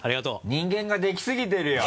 人間ができすぎてるよ！